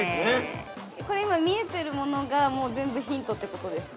◆これ、見えているものが全部ヒントということですか。